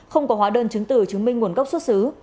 không có hóa đơn chứng từ chứng minh nguồn gốc xuất xứ